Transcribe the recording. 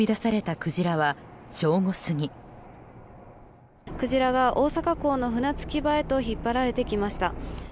クジラが大阪港の船着き場へと引っ張られてきました。